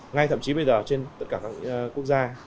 ngay thậm chí bây giờ trên tất cả các quốc gia